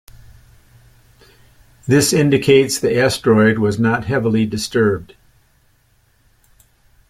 This indicates the asteroid was not heavily disturbed.